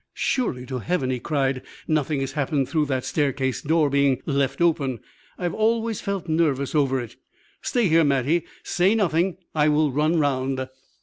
"Surely to Heaven," he cried, "nothing has happened through that staircase door being left open? I always felt nervous over it. Stay here, Mattie; say nothing. I will run round."